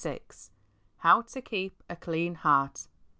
How to Keep a Clean Heart.